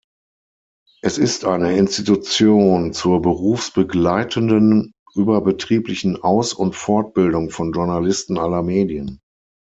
Es ist eine Institution zur berufsbegleitenden, überbetrieblichen Aus- und Fortbildung von Journalisten aller Medien.